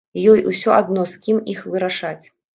І ёй усё адно, з кім іх вырашаць.